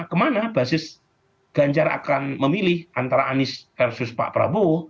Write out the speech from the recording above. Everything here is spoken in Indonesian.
kemana basis ganjar akan memilih antara anies versus pak prabowo